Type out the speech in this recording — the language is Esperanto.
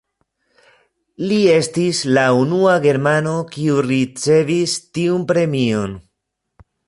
Li estis la unua germano, kiu ricevis tiun premion.